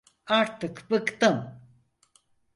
Artık bıktım.